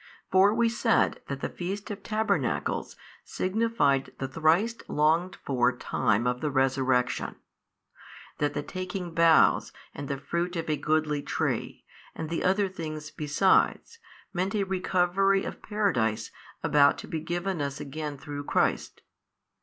For we said that the feast of tabernacles signified the thrice longed for time of the resurrection: that the taking boughs and the fruit of a goodly tree, and the other things besides, meant a recovery of Paradise about to be given us again through Christ.